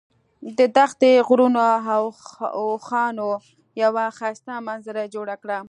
د دښتې، غرونو او اوښانو یوه ښایسته منظره یې جوړه کړه.